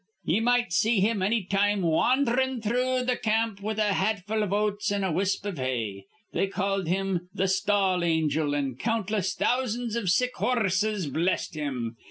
Ye might see him anny time wandhrin' through th' camp with a hatful of oats or a wisp of hay. They called him th' Stall Angel, and countless thousands iv sick hor rses blessed him.